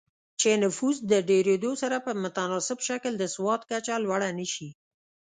چې نفوس د ډېرېدو سره په متناسب شکل د سواد کچه لوړه نه شي